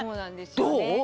どう？